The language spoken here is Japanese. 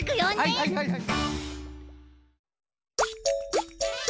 はいはいはいはい。